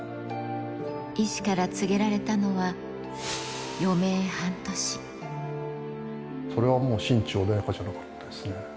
医師から告げられたのは、それはもう、心中穏やかじゃなかったですね。